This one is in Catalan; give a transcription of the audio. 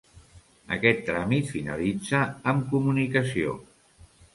Aquest tràmit finalitza amb comunicació.